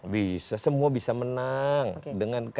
bisa semua bisa menang